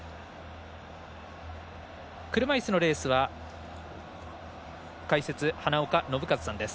車いすのレースは、解説花岡伸和さんです。